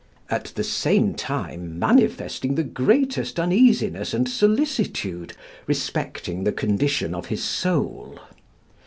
at the same time manifesting the greatest uneasiness and solicitude respecting the condition of his soul.